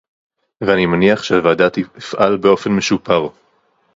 ואני מניח שהוועדה תפעל באופן משופר